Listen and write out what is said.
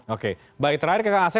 oke baik terakhir ke kak asef